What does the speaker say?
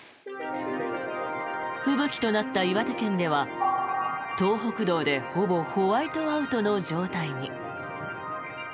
吹雪となった岩手県では東北道でほぼホワイトアウトの状態に。